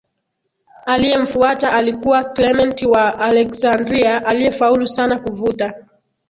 Aliyemfuata alikuwa Klementi wa Aleksandria aliyefaulu sana kuvuta